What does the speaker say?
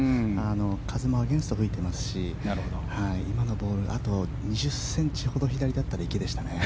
風もアゲンストが吹いていますし今のボールあと２０ｃｍほど左だったら池でしたね。